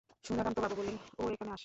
সুধাকান্তবাবু বললেন, ও এখনো আসে।